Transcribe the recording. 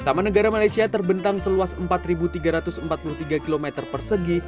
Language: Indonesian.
taman negara malaysia terbentang seluas empat tiga ratus empat puluh tiga km persegi